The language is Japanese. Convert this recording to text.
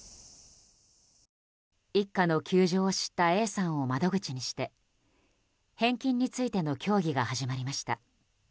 一家の窮状を知ったＡさんを窓口にして返金についての協議が始まりました。